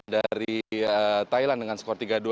dari thailand dengan skor tiga dua